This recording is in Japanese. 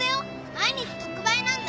毎日特売なんだ。